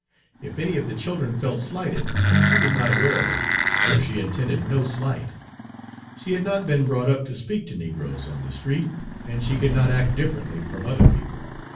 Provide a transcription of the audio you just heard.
If any of the children felt slighted, she was not aware of it, for she intended no slight; she had not been brought up to speak to negroes on the street, and she could not act differently from other people.